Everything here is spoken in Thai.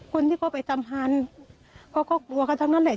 คนที่เขาไปทำพันธุ์เขาก็กลัวเขาทั้งนั้นแหละ